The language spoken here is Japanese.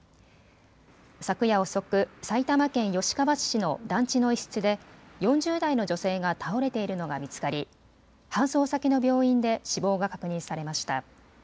昨夜遅く、埼玉県吉川市の団地の一室で４０代の女性が倒れているのが見つかり搬送先の病院で死亡が確認されました。